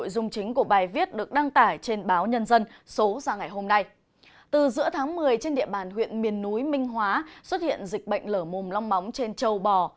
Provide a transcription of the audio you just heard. từ giữa tháng một mươi trên địa bàn huyện miền núi minh hóa xuất hiện dịch bệnh lở mồm long móng trên châu bò